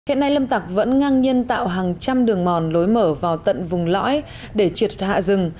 hiện nay lâm tặc vẫn ngang nhiên tạo hàng trăm đường mòn lối mở vào tận vùng lõi để triệt hạ rừng